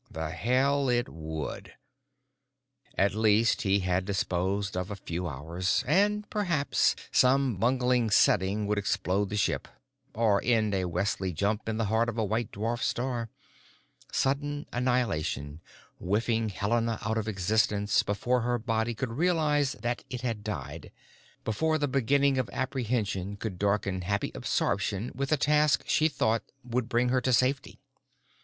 The hell it would. At least he had disposed of a few hours. And—perhaps some bungling setting would explode the ship, or end a Wesley Jump in the heart of a white dwarf star—sudden annihilation, whiffing Helena out of existence before her body could realize that it had died, before the beginning of apprehension could darken happy absorption with a task she thought would bring her to safety.